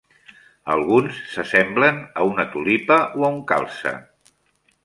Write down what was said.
Alguns s'assemblen a una tulipa o a un calze.